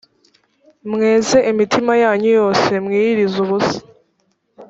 mweze imitima yanyu yose mwiyirize ubusa